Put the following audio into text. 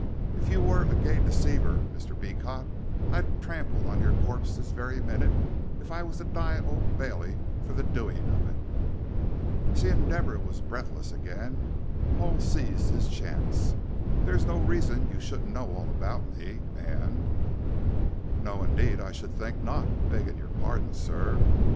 "If you were a gay deceiver, Mr. Beecot, I'd trample on your corp this very minute if I was to die at Old Bailey for the doing of it." Seeing Deborah was breathless again, Paul seized his chance. "There is no reason you shouldn't know all about me, and " "No, indeed, I should think not, begging your pardon, sir.